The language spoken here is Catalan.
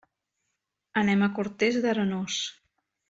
Anem a Cortes d'Arenós.